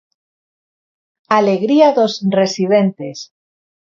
Alegría dos residentes.